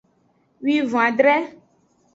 Wivon-adre.